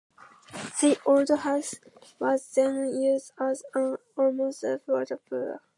The old house was then used as an almshouse for the poor.